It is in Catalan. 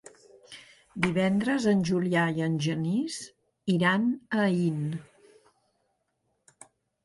Divendres en Julià i en Genís iran a Aín.